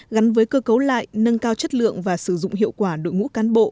gắn với cơ cấu lại nâng cao chất lượng và sử dụng hiệu quả đội ngũ cán bộ